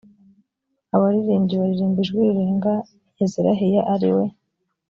abaririmbyi baririmba ijwi rirenga yezerahiya ari we